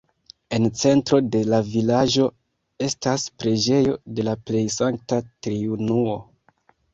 En centro de la vilaĝo estas preĝejo de la Plej Sankta Triunuo.